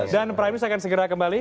dan prime news akan segera kembali